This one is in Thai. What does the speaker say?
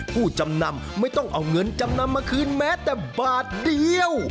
ผู้จำนำไม่ต้องเอาเงินจำนำมาคืนแม้แต่บาทเดียว